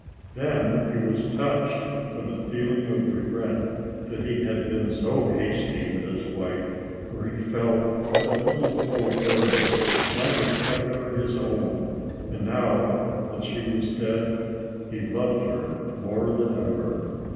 Then he was touched with a feeling of regret that he had been so hasty with his wife, for he felt that a little forbearance might have kept her his own, and now that she was dead, he loved her more than ever.